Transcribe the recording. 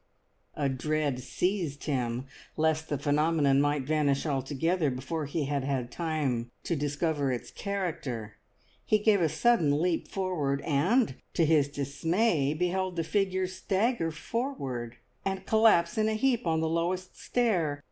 A dread seized him lest the phenomenon might vanish altogether before he had had time to discover its character; he gave a sudden leap forward, and to his dismay beheld the figure stagger forward, and collapse in a heap on the lowest stair.